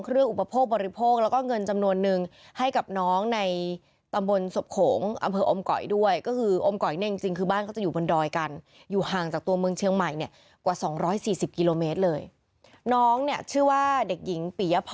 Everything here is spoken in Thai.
เครื่องอุปโภคบริโภคแล้วก็เงินจำนวนนึง